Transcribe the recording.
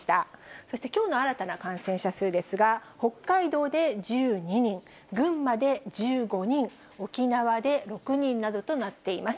そしてきょうの新たな感染者数ですが、北海道で１２人、群馬で１５人、沖縄で６人などとなっています。